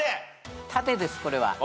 縦ですこれは。